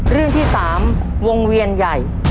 เรื่องที่๓วงเวียนใหญ่